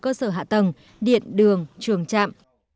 cơ sở hạ tầng điện đường trường trạm